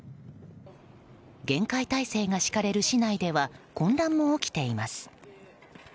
厳戒態勢が敷かれる市内では混乱も起きています。